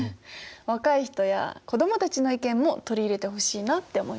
若い人や子どもたちの意見も取り入れてほしいなって思いました。